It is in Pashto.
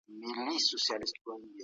ایا واړه پلورونکي جلغوزي پروسس کوي؟